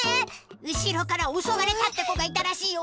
うしろからおそわれたってこがいたらしいよ。